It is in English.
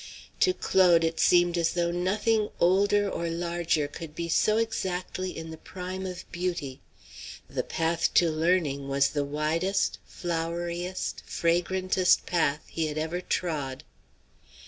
To Claude it seemed as though nothing older or larger could be so exactly in the prime of beauty; the path to learning was the widest, floweriest, fragrantest path he had ever trod.